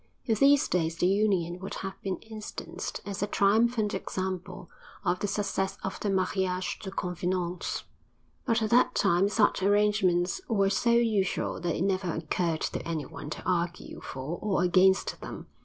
In these days the union would have been instanced as a triumphant example of the success of the mariage de convenance, but at that time such arrangements were so usual that it never occurred to anyone to argue for or against them.